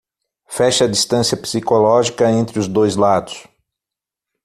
Feche a distância psicológica entre os dois lados